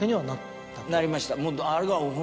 なりました。